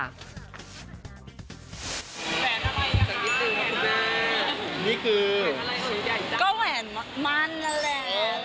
แหวนอะไรหรือยังคะคุณแจ๊กนี่คือแหวนอะไรอีกใหญ่จัง